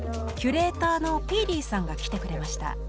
キュレーターの皮力さんが来てくれました。